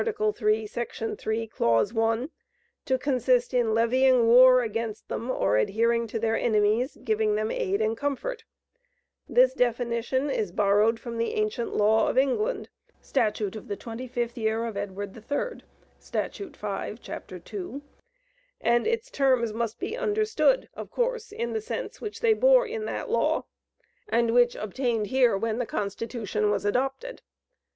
3, Sec. 3, cl. 1, to consist in "levying war against them, or adhering to their enemies, giving them aid and comfort." This definition is borrowed from the ancient Law of England, Stat. 25, Edw. 3, Stat. 5, Chap. 2, and its terms must be understood, of course, in the sense which they bore in that law, and which obtained here when the Constitution was adopted.